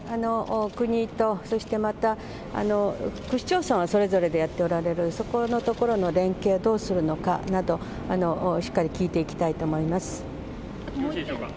国とそしてまた、区市町村はそれぞれでやっておられる、そこのところの連携をどうするのかなど、しっかり聞いていきたいと思います。